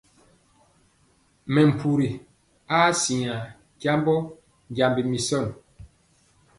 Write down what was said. Mɛmpuri aa siŋa jembɔ jembi misɔn.